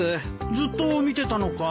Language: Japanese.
ずっと見てたのかい？